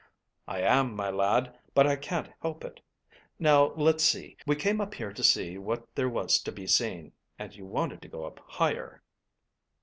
"I am, my lad, but I can't help it. Now, let's see: we came up here to see what there was to be seen, and you wanted to go up higher."